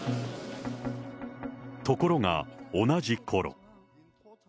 ところが、同じころ。